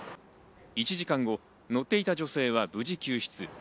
１時間後、乗っていた女性は無事救出。